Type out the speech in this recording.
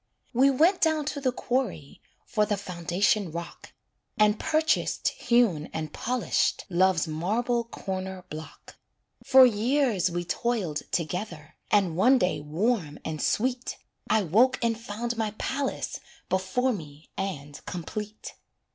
We went down to the quarry For the foundation rock, And purchased hewn and polished Love's marble corner block. For years we toiled together, And one day warm and sweet I woke and found my palace Before me and complete.